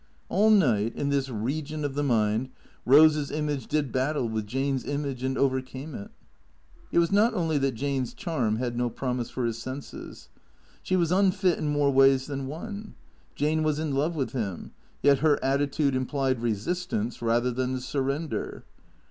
All night, in this region of the mind, Eose's image did battle with Jane's image and overcame it. It was not only that Jane's charm had no promise for his senses. She was unfit in more ways than one. Jane was in love with him; yet her attitude implied resistance rather than surrender.